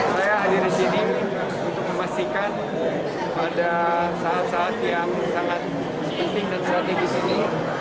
saya hadir di sini untuk memastikan pada saat saat yang sangat penting dan strategis ini